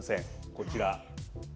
こちら。